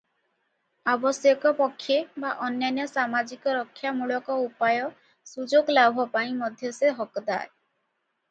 ଆବଶ୍ୟକ ପକ୍ଷେ ବା ଅନ୍ୟାନ୍ୟ ସାମାଜିକ ରକ୍ଷାମୂଳକ ଉପାୟ ସୁଯୋଗ ଲାଭ ପାଇଁ ମଧ୍ୟ ସେ ହକଦାର ।